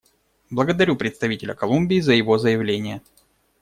Благодарю представителя Колумбии за его заявление.